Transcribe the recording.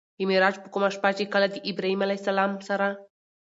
د معراج په کومه شپه چې کله د ابراهيم عليه السلام سره